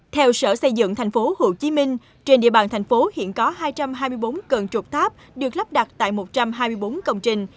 theo sở xây dựng thành phố hồ chí minh trên địa bàn thành phố hiện có hai trăm hai mươi bốn cân trục tháp được lắp đặt tại một trăm hai mươi bốn công trình